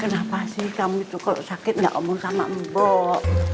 kenapa sih kamu itu kalau sakit nggak ngomong sama mbok